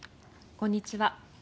こんにちは。